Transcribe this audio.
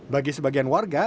bagi sebagian warga